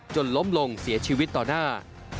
จนล้มลงเสียชีวิตต่อหน้า